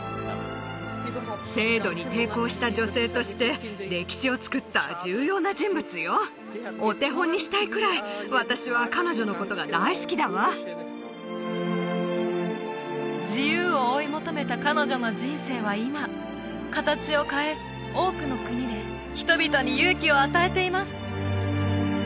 制度に抵抗した女性として歴史をつくった重要な人物よお手本にしたいくらい私は彼女のことが大好きだわ自由を追い求めた彼女の人生は今形を変え多くの国で人々に勇気を与えています